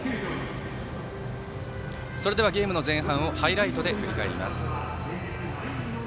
それではゲームの前半をハイライトで振り返ります。